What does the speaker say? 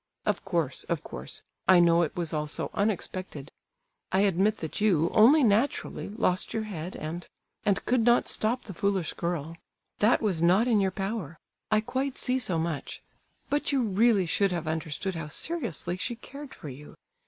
Of course, of course, I know it was all so unexpected. I admit that you, only naturally, lost your head, and—and could not stop the foolish girl; that was not in your power. I quite see so much; but you really should have understood how seriously she cared for you.